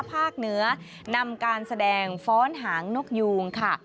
ภาคเหนือนำการแสดงฟ้อนหางนกยูงค่ะ